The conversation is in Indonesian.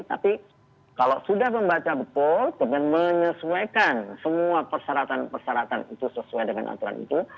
tapi kalau sudah membaca betul kemudian menyesuaikan semua persyaratan persyaratan itu sesuai dengan aturan itu